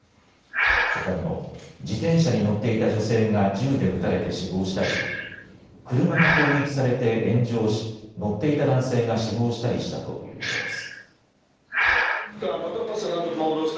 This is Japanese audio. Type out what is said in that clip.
ほかにも自転車に乗っていた女性が銃で撃たれて死亡したり車が攻撃されて炎上し乗っていた男性が死亡したりしたということです。